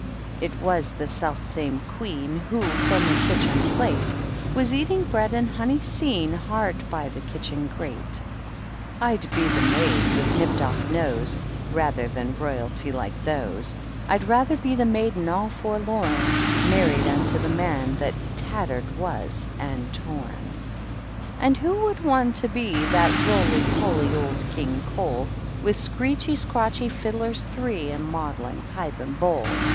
It was the self same Queen WhOy from a kitchen plate, Was eating bread and honey seen, Hard by the kitchen grate/ l^d be the maid with nipped off nose Rather than Royalty like those; rd rather be the Maiden all forlorn, Married unto the Man that tattered was, and torn. And who would want to be That roly poly old King Cole, With screechy, scrawchy fiddlers three And muudlin pipe and bovd?